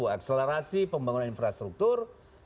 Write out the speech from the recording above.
akselerasi pembangunan infrastruktur